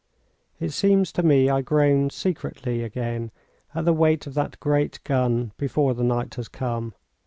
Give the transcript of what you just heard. It seems to me I groan secretly again at the weight of that great gun before the night has come.